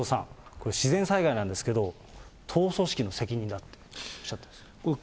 これ、自然災害なんですけど、党組織の責任だとおっしゃってます。